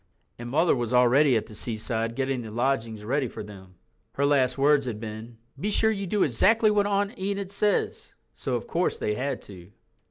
And Mother was already at the seaside getting the lodgings ready for them. Her last words had been— "Be sure you do exactly what Aunt Enid says." So, of course, they had to.